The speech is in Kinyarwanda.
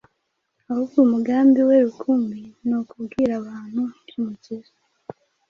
ahubwo umugambi we rukumbi ni ukubwira abandi iby’Umukiza.